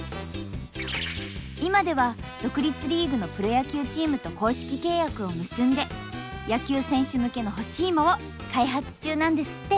今では独立リーグのプロ野球チームと公式契約を結んで野球選手向けの干し芋を開発中なんですって。